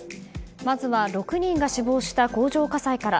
まずは６人が死亡した工場火災から。